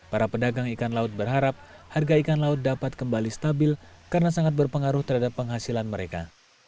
para pedagang ikan laut berharap harga ikan laut dapat kembali stabil karena sangat berpengaruh terhadap penghasilan mereka